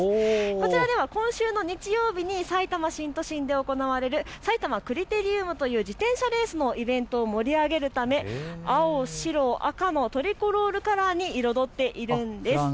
こちらでは今週の日曜日にさいたま新都心で行われるさいたまクリテリウムという自転車レースのイベントを盛り上げるため、青白赤のトリコロールカラーで彩っているんです。